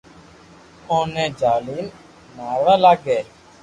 اوني جالين ماروا لاگي